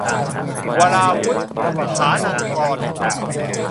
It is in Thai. วราวุธ ฐานังกรณ์